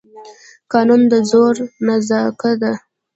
قانون د زور نانځکه ده.